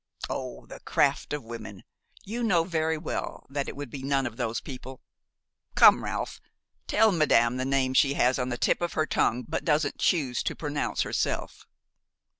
"Oh! the craft of women! You know very well that it would be none of those people. Come, Ralph, tell madame the name she has on the tip of her tongue but doesn't choose to pronounce herself."